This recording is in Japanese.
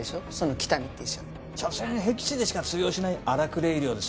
喜多見って医者しょせんへき地でしか通用しない荒くれ医療です